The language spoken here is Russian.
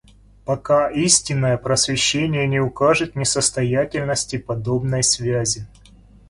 Пока истинное просвещение не укажет несостоятельности подобной связи.